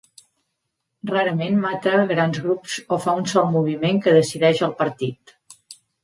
Rarament mata a grans grups o fa un sol moviment que decideix el partit.